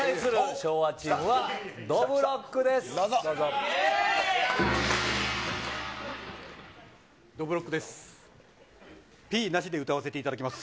昭和チームは、どぶろっくです。